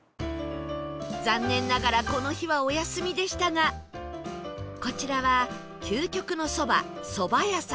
残念ながらこの日はお休みでしたがこちらは究極のそばそばやさん